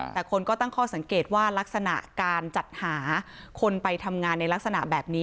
แต่คนก็ตั้งข้อสังเกตว่าลักษณะการจัดหาคนไปทำงานในลักษณะแบบนี้